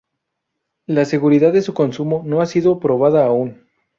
La seguridad de su consumo no ha sido probada aún.